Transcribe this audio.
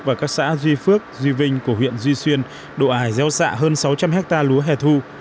và các xã duy phước duy vinh của huyện duy xuyên độ ải gieo xạ hơn sáu trăm linh hectare lúa hẻ thu